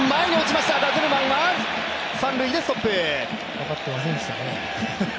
分かっていませんでしたかね。